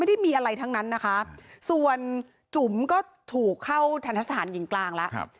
ไม่ได้มีอะไรทั้งนั้นนะคะส่วนจุ๋มก็ถูกเข้าทันทสถานหญิงกลางแล้วครับ